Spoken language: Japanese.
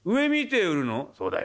「そうだよ」。